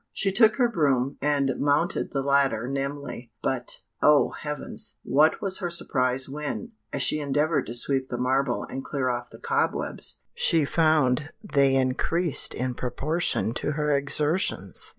She took her broom, and mounted the ladder nimbly, but, O Heavens! what was her surprise when, as she endeavoured to sweep the marble and clear off the cobwebs, she found they increased in proportion to her exertions!